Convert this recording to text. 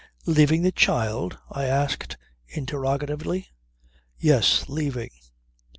" "Leaving the child?" I said interrogatively. "Yes. Leaving